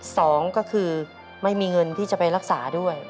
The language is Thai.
สองก็คือไม่มีเงินที่จะไปรักษาด้วย